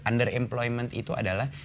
underemployment itu adalah